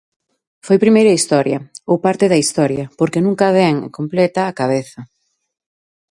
Foi primeiro a historia, ou parte da historia, porque nunca vén completa á cabeza.